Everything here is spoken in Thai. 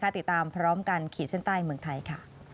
ติดตามพร้อมกันขีดเส้นใต้เมืองไทยค่ะ